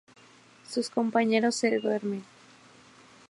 Sus compañeros se duermen.